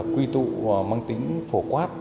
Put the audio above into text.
quy tụ mang tính phổ quát